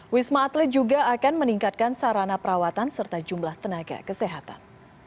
wisma atlet juga akan meningkatkan sarana perawatan serta jumlah tenaga kesehatan